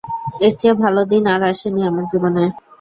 এর চেয়ে ভালো দিন আর আসেনি আমার জীবনে!